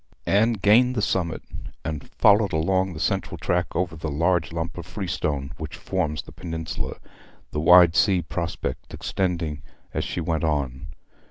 Anne gained the summit, and followed along the central track over the huge lump of freestone which forms the peninsula, the wide sea prospect extending as she went on.